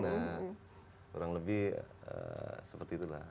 nah kurang lebih seperti itulah